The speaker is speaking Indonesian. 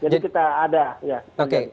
jadi kita ada